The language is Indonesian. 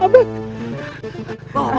anda tidak salah dengar itu